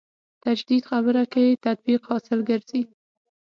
تجدید خبره کې تطبیق حاصل ګرځي.